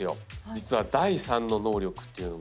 実は第３の能力っていうのが。